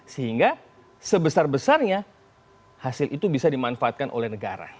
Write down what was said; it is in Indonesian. sehingga sebesar besarnya hasil itu bisa dimanfaatkan oleh negara